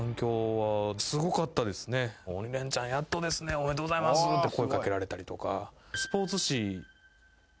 「おめでとうございます」って声掛けられたりとか。